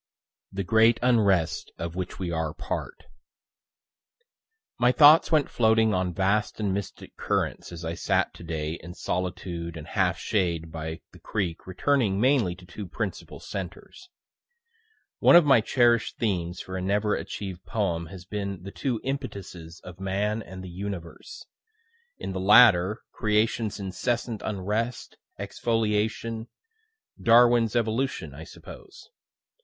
THE GREAT UNREST OF WHICH WE ARE PART My thoughts went floating on vast and mystic currents as I sat to day in solitude and half shade by the creek returning mainly to two principal centres. One of my cherish'd themes for a never achiev'd poem has been the two impetuses of man and the universe in the latter, creation's incessant unrest, exfoliation, (Darwin's evolution, I suppose.)